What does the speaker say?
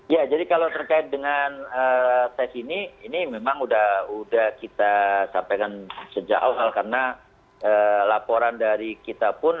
ya jadi kalau terkait dengan tes ini ini memang sudah kita sampaikan sejak awal karena laporan dari kita pun